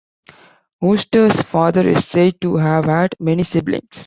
Wooster's father is said to have had many siblings.